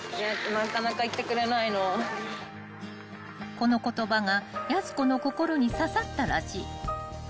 ［この言葉がやす子の心に刺さったらしい］